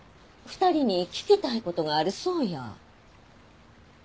２人に聞きたい事があるそうや。